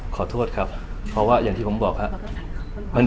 ขอโทษครับเพราะว่าอย่างที่ผมบอกครับ